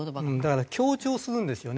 だから強調するんですよね。